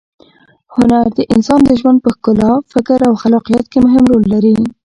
هنر د انسان د ژوند په ښکلا، فکر او خلاقیت کې مهم رول لري.